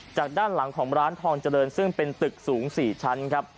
จากด้านหลังของร้านทองเจริญซึ่งเป็นตึกสูง๔ชั้นครับ